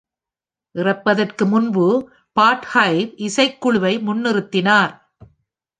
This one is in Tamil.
இறப்பதற்கு முன்பு, பாட் ஹைவ் இசைக்குழுவை முன்னிறுத்தினார்